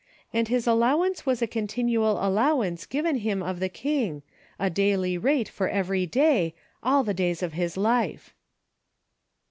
And his allowance was a continual allow ance given him of the king, a daily rate for every day, all the days of his life.